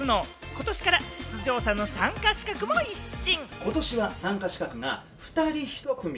ことしから出場者の参加資格も一新。